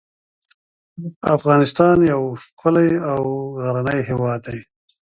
افغانستان یو ښکلی او غرنی هیواد دی .